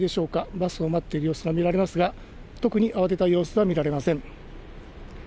バスを待っている様子が見られますが、特に慌てた様子は見られません。